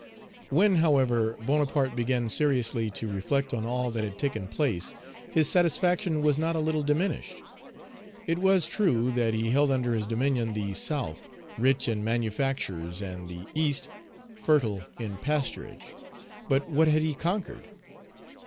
When, however, Bonaparte began seriously to reflect on all that had taken place, his satisfaction was not a little diminished. It was true that he held under his domination the South rich in manufactures and the East fertile in pasturage. But what had he conquered?